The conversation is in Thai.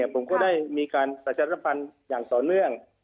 ผมก็ได้มีการประชารัฐภัณฑ์อย่างต่อเนื่อง